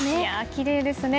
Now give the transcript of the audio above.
きれいですね。